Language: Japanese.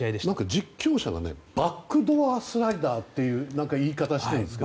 実況者がバックドアスライダーという言い方をしています。